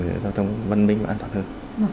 giao thông văn minh và an toàn hơn